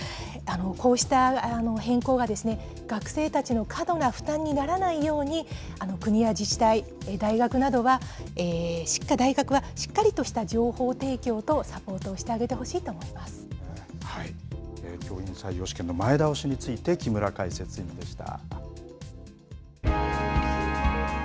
こうした変更が学生たちの過度な負担にならないように、国や自治体、大学などはしっかりとした情報提供とサポートをしてあげてほしい教員採用試験の前倒しについて、木村解説委員でした。